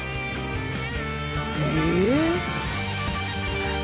え？